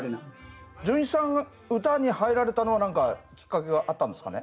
潤一さんが歌に入られたのは何かきっかけがあったんですかね？